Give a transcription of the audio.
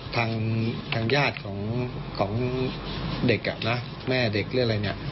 ทางญาติของเด็กอ่ะนะแม่เด็กหรืออะไรเนี่ย